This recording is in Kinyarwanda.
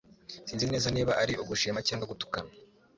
Sinzi neza niba ari ugushima cyangwa gutukana.